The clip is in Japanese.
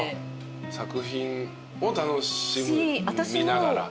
作品を楽しむ見ながら。